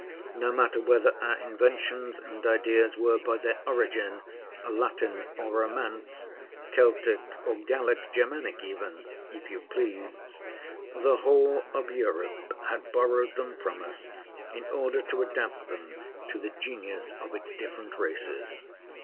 No matter whether our inventions and ideas were, by their origin, Latin or Romance, Celtic or Gallic, Germanic even, if you please, the whole of Europe had borrowed them from us in order to adapt them to the genius of its different races.